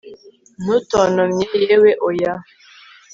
ntutontomye yewe oya